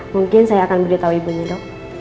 mungkin saya akan beritahu ibunya dok